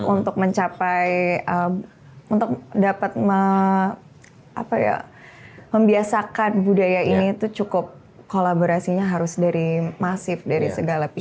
untuk mencapai untuk dapat membiasakan budaya ini itu cukup kolaborasinya harus dari masif dari segala pihak